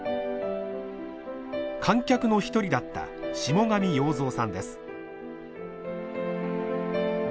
観客の一人だった下神洋造さんです。